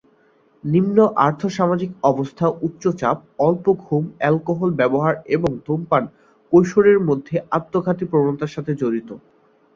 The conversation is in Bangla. নিম্ন আর্থ-সামাজিক অবস্থা, উচ্চ চাপ, অল্প ঘুম, অ্যালকোহল ব্যবহার এবং ধূমপান কৈশোরের মধ্যে আত্মঘাতী প্রবণতার সাথে জড়িত।